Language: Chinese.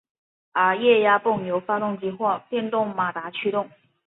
而液压泵由发动机或者电动马达驱动。